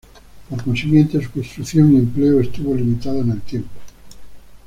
Por consiguiente, su construcción y su empleo estuvo limitada en el tiempo.